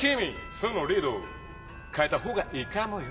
そのリード替えたほうがいいかもよ。